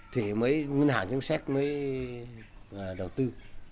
thì mới ngân hàng chứng xét mới đầu tư